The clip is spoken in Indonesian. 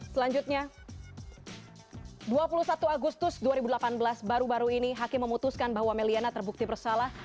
selanjutnya dua puluh satu agustus dua ribu delapan belas baru baru ini hakim memutuskan bahwa meliana terbukti bersalah